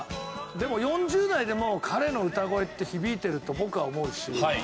でも４０代でも彼の歌声って響いてると僕は思うし。